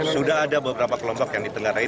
sudah ada beberapa kelompok yang ditengarai